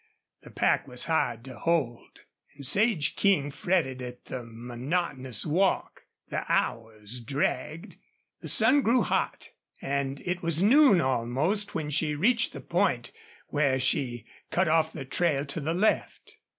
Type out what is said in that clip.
The pack was hard to hold, and Sage King fretted at the monotonous walk. The hours dragged. The sun grew hot. And it was noon, almost, when she reached the point where she cut off the trail to the left.